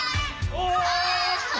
お！